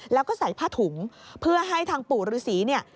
แล้วก็ใส่ผ้าถุงเพื่อให้ทางปู่ฤษีเนี่ย